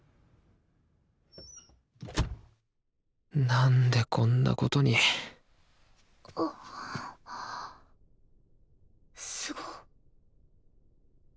なんでこんなことにすご。